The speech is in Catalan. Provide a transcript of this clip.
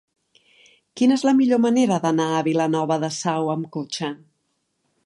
Quina és la millor manera d'anar a Vilanova de Sau amb cotxe?